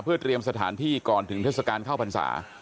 เพื่อเตรียมสถานที่ก่อนถึงเทศกาลเข้าพรรษา